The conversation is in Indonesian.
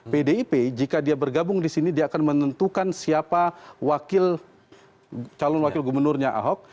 pdip jika dia bergabung di sini dia akan menentukan siapa wakil calon wakil gubernurnya ahok